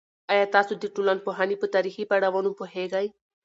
ایا تاسو د ټولنپوهنې په تاریخي پړاوونو پوهیږئ؟